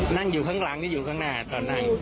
นั่งอยู่ข้างหลังนี่อยู่ข้างหน้าตอนนั้น